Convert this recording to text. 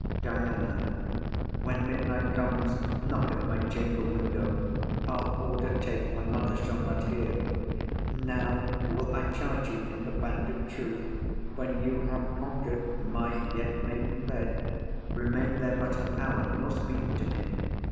DIANA. When midnight comes, knock at my chamber window; I'll order take my mother shall not hear. Now will I charge you in the band of truth, When you have conquer'd my yet maiden bed, Remain there but an hour, nor speak to me.